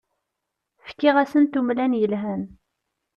Fkiɣ-asent umlan yelhan.